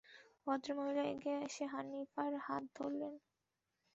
ভদ্রমহিলা এগিয়ে এসে হানিফার হাত ধরলেন।